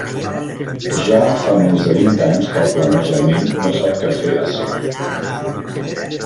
Ja fa més de vint anys que el planejament no sap què fer ací.